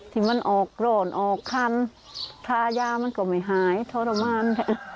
ที่มันออกร่อนออกคันทายามันก็ไม่หายทรมาน